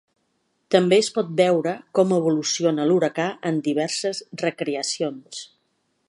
També es pot veure com evoluciona l’huracà en diverses recreacions.